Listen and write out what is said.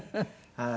はい。